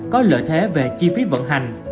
có lợi thế về chi phí vận hành